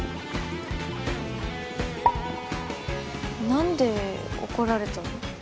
何で怒られたの？